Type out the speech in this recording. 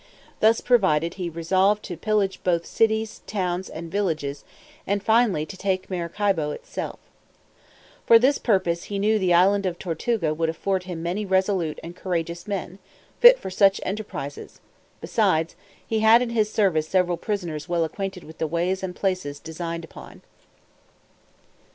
Thus provided, he resolved to pillage both cities, towns, and villages, and finally, to take Maracaibo itself. For this purpose he knew the island of Tortuga would afford him many resolute and courageous men, fit for such enterprises: besides, he had in his service several prisoners well acquainted with the ways and places designed upon.